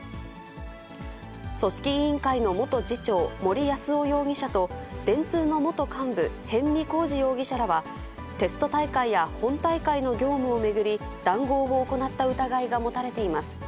組織委員会の元次長、森泰夫容疑者と、電通の元幹部、逸見晃治容疑者らは、テスト大会や本大会の業務を巡り、談合を行った疑いが持たれています。